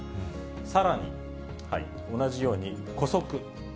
さらに、同じようにこそく。